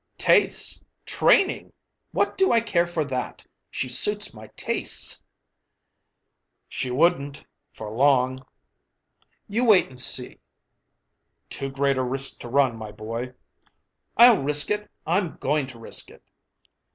"Tastes! Training! What do I care for that? She suits my tastes." "She wouldn't for long." "You wait and see." "Too great a risk to run, my boy." "I'll risk it. I'm going to risk it."